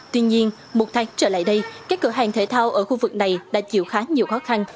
tuy nhiên một tháng trở lại đây các cửa hàng thể thao ở khu vực này đã chịu khá nhiều khó khăn